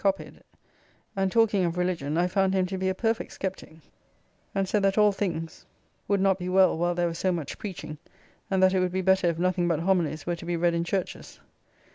] copied, and talking of religion, I found him to be a perfect Sceptic, and said that all things would not be well while there was so much preaching, and that it would be better if nothing but Homilies were to be read in Churches.